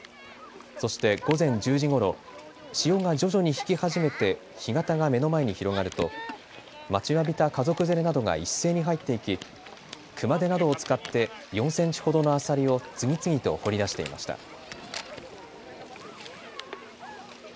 そして午前１０時ごろ、潮が徐々に引き始めて干潟が目の前に広がると待ちわびた家族連れなどが一斉に入っていき熊手などを使って４センチほどのアサリを次々と掘り出していました。